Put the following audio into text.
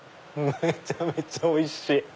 めちゃめちゃおいしい！